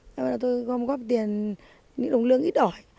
thế là tôi gom góp tiền những đồng lương ít đổi